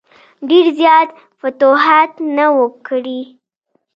ډېر زیات فتوحات نه وه کړي.